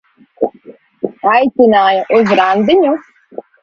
Aicināja uz randiņu?